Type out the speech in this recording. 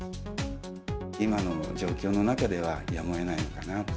今の状況の中ではやむをえないのかなと。